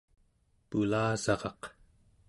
pulasaraq